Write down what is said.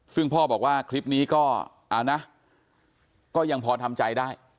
ซึ่งพ่อบอกว่าคลิปนี้ก็เอานะก็ยังพอทำใจได้